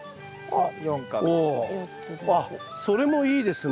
あっ！